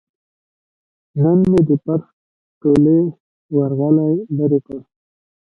نن مې د فرش ټولې ورغلې لرې کړې.